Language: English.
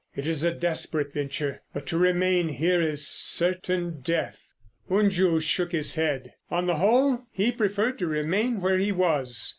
It is a desperate venture, but to remain here is certain death." Unju shook his head. On the whole, he preferred to remain where he was.